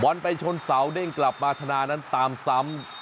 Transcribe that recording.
วันไปชนเสาเด้งกลับมาธนานั้นตามซ้ำ